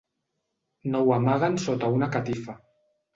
No ho amaguen sota una catifa.